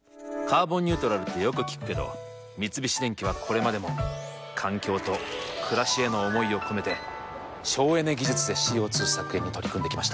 「カーボンニュートラル」ってよく聞くけど三菱電機はこれまでも環境と暮らしへの思いを込めて省エネ技術でＣＯ２削減に取り組んできました。